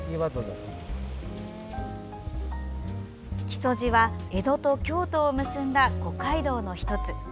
木曽路は江戸と京都を結んだ五街道の１つ。